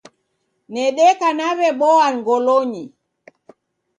Nedeka naw'eboa ngolonyi